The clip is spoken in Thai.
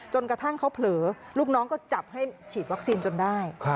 กระทั่งเขาเผลอลูกน้องก็จับให้ฉีดวัคซีนจนได้